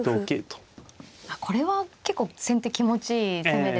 これは結構先手気持ちいい攻めですね。